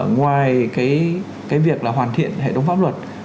ngoài cái việc là hoàn thiện hệ thống pháp luật